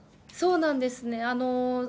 そうなんですね。